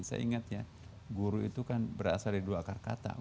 saya ingat ya guru itu kan berasal dari dua akar kata